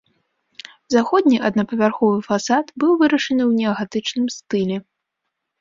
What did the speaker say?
Заходні аднапавярховы фасад быў вырашаны ў неагатычным стылі.